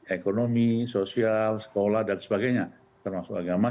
ekonomi sosial sekolah dan sebagainya termasuk agama